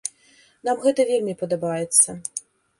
Нам гэта вельмі падабаецца.